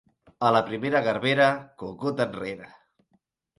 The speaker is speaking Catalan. A la primera garbera, cucut enrere.